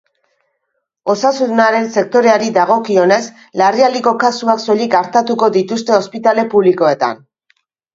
Osasunaren sektoreari dagokionez, larrialdiko kasuak soilik artatuko dituzte ospitale publikoetan.